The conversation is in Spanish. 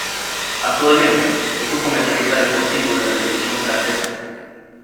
Actualmente es un comentarista deportivo de la televisión francesa.